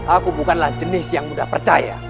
aku bukanlah jenis yang mudah percaya